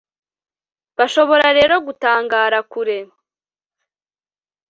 bashobora rero gutangara kure